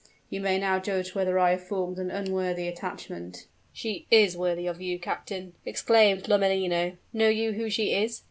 You may now judge whether I have formed an unworthy attachment!" "She is worthy of you, captain!" exclaimed Lomellino. "Know you who she is?"